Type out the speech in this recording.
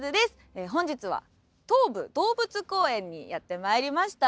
本日は東武動物公園にやって参りました。